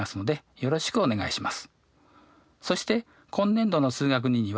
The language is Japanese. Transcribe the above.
よろしくお願いします。